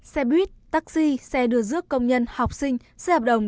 xe buýt taxi xe đưa rước công nhân học sinh xe hợp đồng